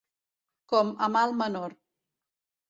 Com a mal menor.